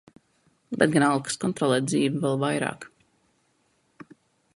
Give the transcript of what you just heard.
Bet gan alkas kontrolēt dzīvi vēl vairāk.